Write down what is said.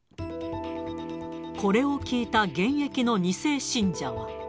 これを聞いた現役の２世信者は。